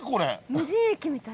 無人駅みたい。